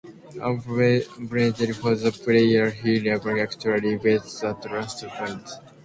Unfortunately for the player, he never actually gets that last point.